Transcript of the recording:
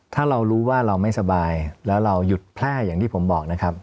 ถ้าเรารู้ว่าเราไม่สบายแล้วเราหยุดแพร่อย่างที่ผมบอกนะครับ